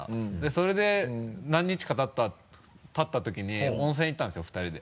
それで何日かたったときに温泉行ったんですよ２人で。